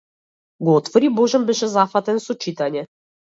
Го отвори, божем беше зафатен со читање.